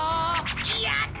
やった！